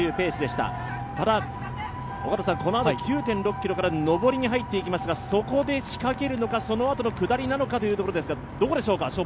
ただ、このあと９．６ｋｍから上りに入っていきますが、そこで仕掛けるのか、そのあとの下りなのかというところですが、どこでしょうか？